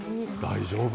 大丈夫？